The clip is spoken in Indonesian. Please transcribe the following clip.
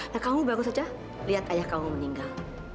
nah kamu baru saja lihat ayah kamu meninggal